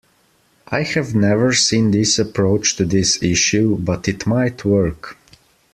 I have never seen this approach to this issue, but it might work.